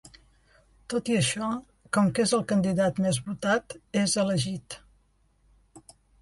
Tot i això, com que és el candidat més votat, és elegit.